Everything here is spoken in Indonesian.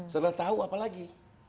setelah tahu apa lagi